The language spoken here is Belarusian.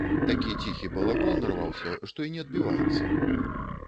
Такі ціхі балагол нарваўся, што і не адбіваецца.